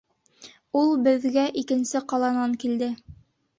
Ул беҙгә икенсе ҡаланан килде.